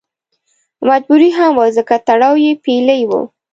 مجبوري هم وه ځکه تړاو یې پېیلی و.